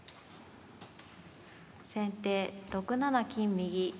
先手６七金右。